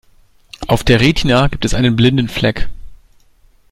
Auf der Retina gibt es einen blinden Fleck.